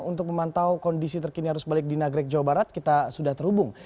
untuk memantau kondisi terkini arus balik di nagrek jawa barat kita sudah terhubung